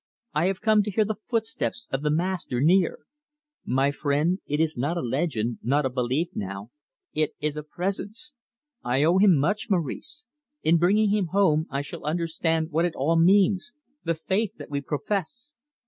I have come to hear the footsteps of the Master near. My friend, it is not a legend, not a belief now, it is a presence. I owe him much, Maurice. In bringing him home, I shall understand what it all means the faith that we profess.